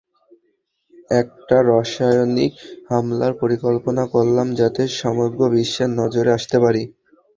একটা রাসায়নিক হামলার পরিকল্পনা করলাম যাতে সমগ্র বিশ্বের নজরে আসতে পারি।